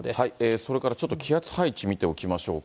それからちょっと、気圧配置見ておきましょうか。